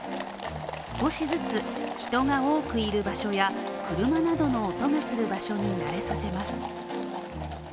少しずつ、人が多くいる場所や車などの音がする場所に慣れさせます。